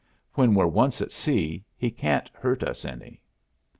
When we're once at sea, he can't hurt us any."